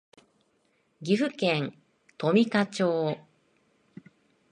岐阜県富加町